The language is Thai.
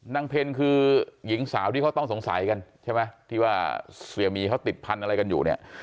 เพลคือหญิงสาวที่เขาต้องสงสัยกันใช่ไหมที่ว่าเสียบีเขาติดพันธุ์อะไรกันอยู่เนี่ย